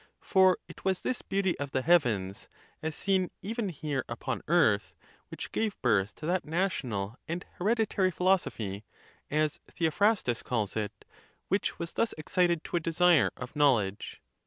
For it was this beauty of the heavens, as seen even here upon earth, which gave birth to that national and hereditary philosophy (as Theophrastus calls it), which was thus ex cited to a desire of knowledge.